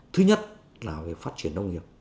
thứ nhất là phát triển nông nghiệp